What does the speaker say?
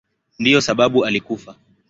Ndiyo sababu alikufa.